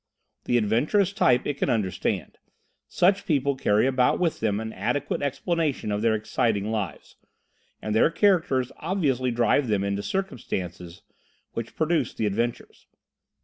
The adventurous type it can understand: such people carry about with them an adequate explanation of their exciting lives, and their characters obviously drive them into the circumstances which produce the adventures.